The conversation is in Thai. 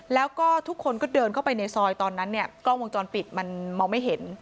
แล้วก็ทุกคนก็เดินเข้าไปในซอยตอนนั้นเนี่ยกล้องวงจรปิดมันมองไม่เห็น